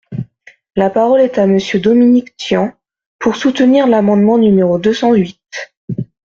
La parole est à Monsieur Dominique Tian, pour soutenir l’amendement numéro deux cent huit.